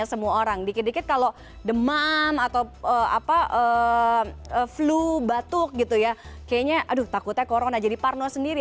semua orang dikit dikit kalau demam atau flu batuk gitu ya kayaknya aduh takutnya corona jadi parno sendiri